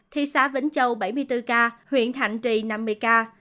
thị xã vĩnh châu bảy mươi bốn ca huyện thạnh trì năm mươi ca